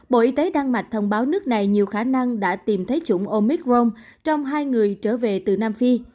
bộ y tế đan mạch thông báo nước này nhiều khả năng đã tìm thấy chủng omic rong trong hai người trở về từ nam phi